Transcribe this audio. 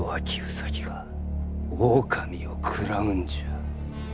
兎が狼を食らうんじゃ。